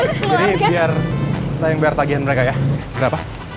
jadi biar saya yang bayar tagihan mereka ya berapa